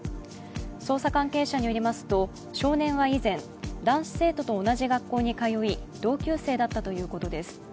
捜査関係者によりますと少年は以前男子生徒と同じ学校に通い同級生だったということです。